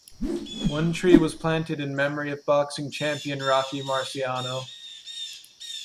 One tree was planted in memory of boxing champion Rocky Marciano.